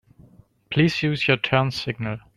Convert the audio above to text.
Please use your turn signal.